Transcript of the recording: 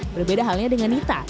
berbeda halnya dengan nita